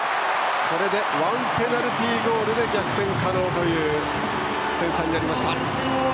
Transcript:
これで１ペナルティーゴールで逆転可能な点差になりました。